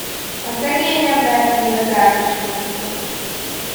A szegény embert még az ág is húzza.